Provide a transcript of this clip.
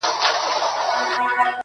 حقيقت د وخت قرباني کيږي تل,